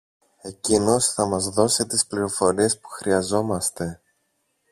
Εκείνος θα μας δώσει τις πληροφορίες που χρειαζόμαστε.